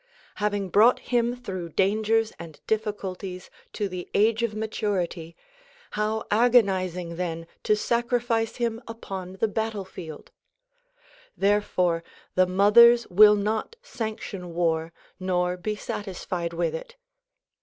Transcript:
Having brought him through dangers and difficulties to the age of maturity, how agonizing then to sacrifice him upon the battlefield ! Therefore the mothers will not sanction war nor be satisfied with it.